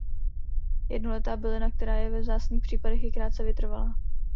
Jednoletá bylina která je ve vzácných případech i krátce vytrvalá.